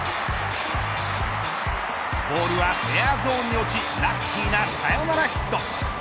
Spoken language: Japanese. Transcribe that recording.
ボールはフェアゾーンに落ちラッキーなサヨナラヒット。